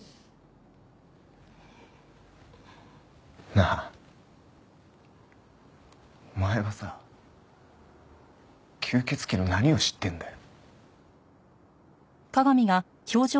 なあお前はさ吸血鬼の何を知ってんだよ。